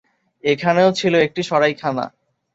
এখানেও ছিল একটি সরাইখানা।